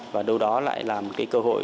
và đâu đó lại là một cái cơ hội